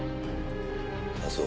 あっそう。